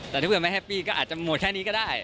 แต่ถ้าเกิดไม่แฮปปี้ก็อาจจะหมดแค่นี้ก็ได้